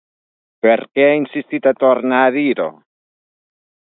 Per què ha insistit a tornar a dir-ho?